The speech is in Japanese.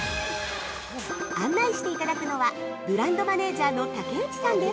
案内していただくのはブランドマネージャーの竹内さんです◆